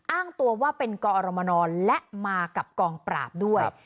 อ้างตัวว่าเป็นกอรมนและมากับกองปราบด้วย